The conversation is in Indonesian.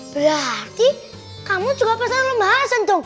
berarti kamu juga pesan pembahasan dong